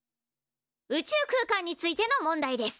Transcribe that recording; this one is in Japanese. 宇宙空間についての問題です。